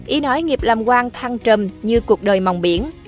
ý nói nghiệp làm quang thăng trầm như cuộc đời mòng biển